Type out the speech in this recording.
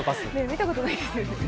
見たことないです。